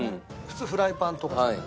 普通フライパンとかじゃん。